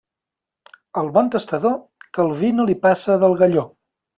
Al bon tastador, que el vi no li passe del galló.